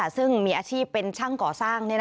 ซึ่งมีอาชีพเป็นช่างก่อสร้าง